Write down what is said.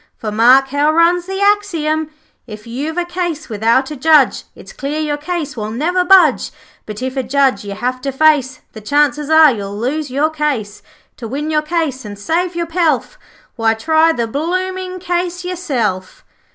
For mark how runs the axiom 'If you've a case without a Judge, It's clear your case will never budge; But if a Judge you have to face, The chances are you'll lose your case. To win your case, and save your pelf, Why, try the blooming case yourself!'